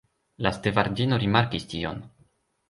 La stevardino rimarkis tion.